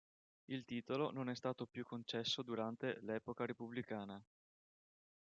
Il titolo non è stato più concesso durante l'epoca repubblicana.